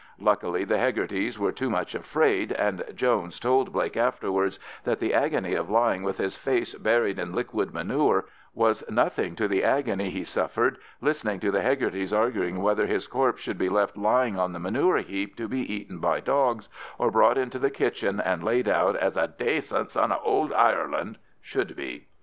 Luckily the Hegartys were too much afraid, and Jones told Blake afterwards that the agony of lying with his face buried in liquid manure was nothing to the agony he suffered listening to the Hegartys arguing whether his corpse should be left lying on the manure heap to be eaten by dogs, or brought into the kitchen and laid out as a "dacent son of ould Ireland" should be.